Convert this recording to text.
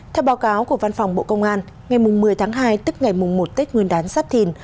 theo báo cáo của văn phòng bộ công an ngày một mươi tháng hai tức ngày một tết nguyên đán sắp thìn